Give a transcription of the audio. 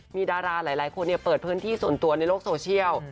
มีดาราหลายคนเปิดพื้นที่ส่วนตัวในโลกโซเชียล